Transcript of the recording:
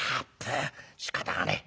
しかたがねえ。